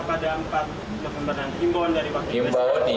pada jawabannya pak jk apa imbauan pak jk dengan minjuk rasa pada empat pemerintahan